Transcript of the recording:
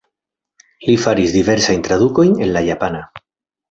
Li faris diversajn tradukojn el la japana.